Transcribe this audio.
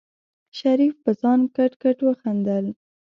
شريف په ځان کټ کټ وخندل.